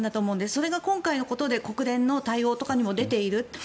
それが今回のことで国連の対応とかにも出ている。